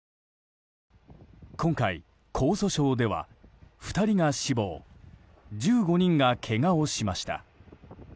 今回、江蘇省では２人が死亡１５人がけがをしました。